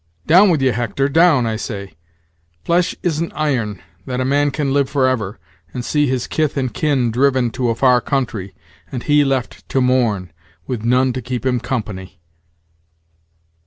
Down with ye, Hector! down, I say! Flesh Isn't iron, that a man can live forever, and see his kith and kin driven to a far country, and he left to mourn, with none to keep him company."